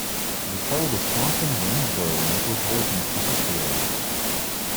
It is part of the Staunton-Waynesboro Micropolitan Statistical Area.